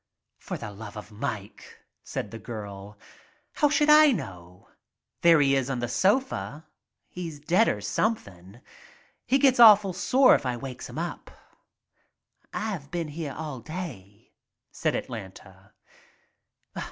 "For the love of Mike/' said the girl. "How should I know. There he is on the sofa. He's dead or something. He gets awful sore if I wakes him up. * "I have been here all day," said Atlanta.